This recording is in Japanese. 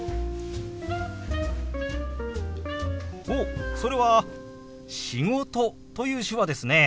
おっそれは「仕事」という手話ですね。